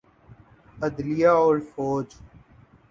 عدلیہ اورفوج۔